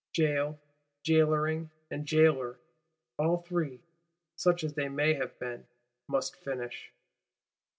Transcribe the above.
Jail, Jailoring and Jailor, all three, such as they may have been, must finish.